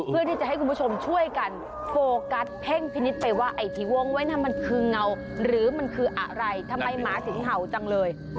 เพื่อที่จะให้คุณผู้ชมช่วยกันโฟกัสเพ่งพินิษฐ์ไปว่าไอ้ที่วงไว้นั่นมันคือเงาหรือมันคืออะไรทำไมหมาถึงเห่าจังเลย